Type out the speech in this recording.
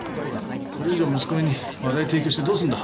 これ以上マスコミに話題提供してどうするんだ？